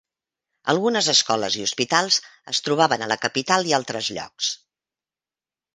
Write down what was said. Algunes escoles i hospitals es trobaven a la capital i altres llocs.